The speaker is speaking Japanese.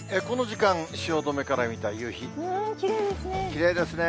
きれいですね。